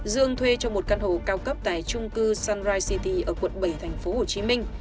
dương thuê cho một căn hộ cao cấp tại trung cư sunrise city ở quận bảy tp hcm